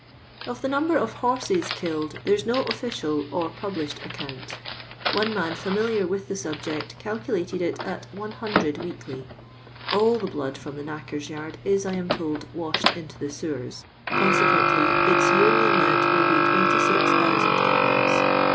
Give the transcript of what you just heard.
Of the number of horses killed there is no official or published account One man fieaniliar with the subject calcukted it at 100 weekly. All the blood from the knackers' yards is, I am told, washed into the sewers ; consequently its yearly amount will be 26,000 gallons.